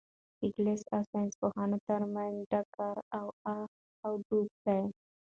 د کلیسا او ساینس پوهانو تر منځ ټکر او اخ و ډب دئ.